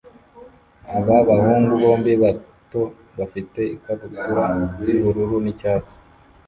Aba bahungu bombi bato bafite ikabutura yubururu nicyatsi